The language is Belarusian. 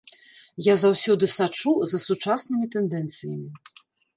Я заўсёды сачу за сучаснымі тэндэнцыямі.